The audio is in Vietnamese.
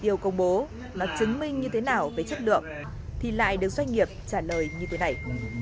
yêu công bố mà chứng minh như thế nào về chất lượng thì lại được doanh nghiệp trả lời như thế này